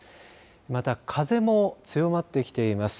また、風も強まってきています。